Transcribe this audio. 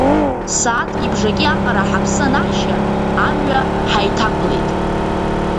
Сааҭки бжаки аҟара ҳаԥсы анаҳшьа, амҩа ҳаиҭақәлеит.